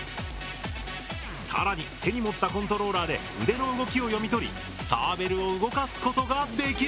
更に手に持ったコントローラーで腕の動きを読み取りサーベルを動かすことができる！